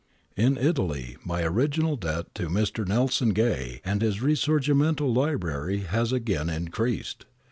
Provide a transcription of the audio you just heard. In Italy, my original debt to Mr. Nelson Gay and his risorgimento library has been again increased.